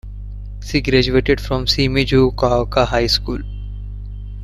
She graduated from Shimizugaoka High School.